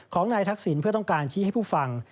ของนายทักษิณเพื่อต้องการชี้ให้ผู้ฟัง